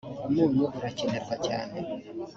umunyu urakenerwa cyane